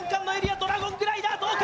ドラゴングライダーどうか。